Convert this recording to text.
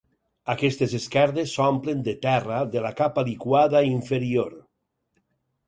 Aquestes esquerdes s'omplen de terra de la capa liquada inferior.